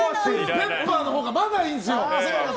ペッパーのほうがまだいいですよ！